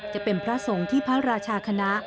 จะเป็นพระสงฆ์ที่พระราชาคณะ